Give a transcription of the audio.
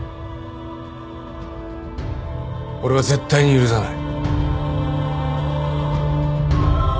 俺は絶対に許さない。